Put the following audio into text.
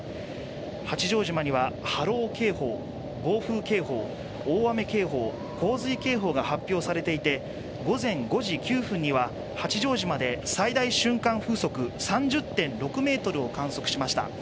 八丈島には波浪警報、暴風警報大雨警報、洪水警報が発表されていて午前５時９分には八丈島で最大瞬間風速３０．６メートルを観測しました。